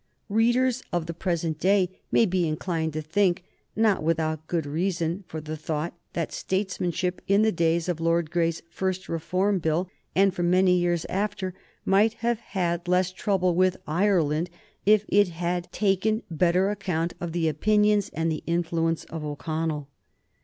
Readers of the present day may be inclined to think, not without good reason for the thought, that statesmanship in the days of Lord Grey's first Reform Bill, and for many years after, might have had less trouble with Ireland if it had taken better account of the opinions and the influence of O'Connell.